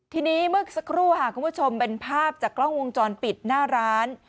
ทีนี้เมื่อสักครู่ค่ะคุณผู้ชมเป็นภาพจากกล้องวงจรปิดหน้าร้าน